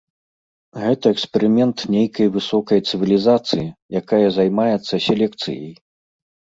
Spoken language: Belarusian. Гэта эксперымент нейкай высокай цывілізацыі, якая займаецца селекцыяй.